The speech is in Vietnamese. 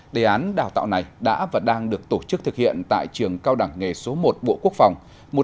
đề án đào tạo này đã và đang được tổ chức thực hiện tại trường cao đẳng nghề số một bộ quốc phòng